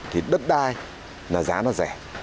thì đất đai là giá nó rẻ